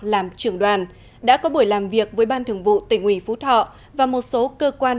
làm trưởng đoàn đã có buổi làm việc với ban thường vụ tỉnh ủy phú thọ và một số cơ quan